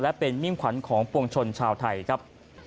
และเป็นมิ่งขวัญของปวงชนชาวไทยครับ